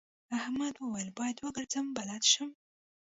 احمد وويل: باید وګرځم بلد شم.